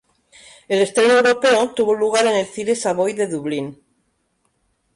El estreno europeo tuvo lugar en el cine Savoy de Dublín.